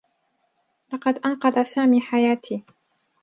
لقد أنقذ سامي حياتي.